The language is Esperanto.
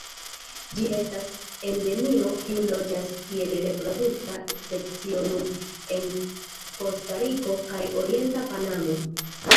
Ĝi estas endemio kiu loĝas kiel reprodukta specio nur en Kostariko kaj orienta Panamo.